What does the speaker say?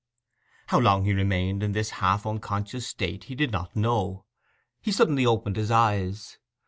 How long he remained in this half unconscious state he did not know. He suddenly opened his eyes.